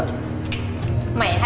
mày hay quá ha